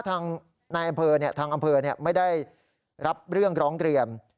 ทางอำเภอไม่ได้รับเรื่องร้องเรียน